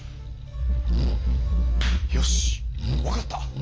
よし分かった！